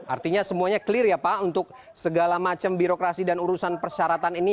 artinya semuanya clear ya pak untuk segala macam birokrasi dan urusan persyaratan ini